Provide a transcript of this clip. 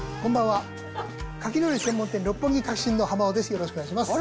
よろしくお願いします。